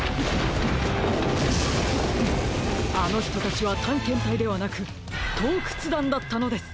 あのひとたちはたんけんたいではなくとうくつだんだったのです！